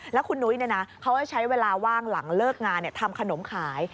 แล้วคุณนุ้ยเขาจะใช้เวลาว่างหลังเลิกงานทำขนมขาย